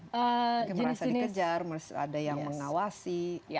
bagaimana rasa dikejar ada yang mengawasi